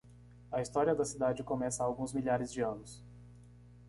A história da cidade começa há alguns milhares de anos.